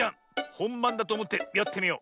ほんばんだとおもってやってみよう。